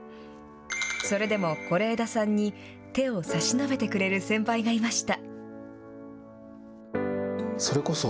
それでも是枝さんに手を差し伸べてくれる先輩がいました。